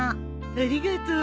ありがとう。